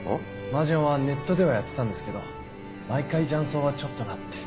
麻雀はネットではやってたんですけど毎回雀荘はちょっとなって。